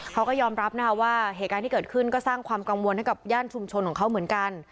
เขาก็ยอมรับนะคะว่าเหตุการณ์ที่เกิดขึ้นก็สร้างความกังวลให้กับย่านชุมชนของเขาเหมือนกัน